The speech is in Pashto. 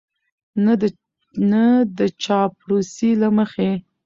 نه د چاپلوسۍ له مخې